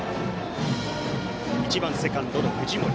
１番セカンドの藤森。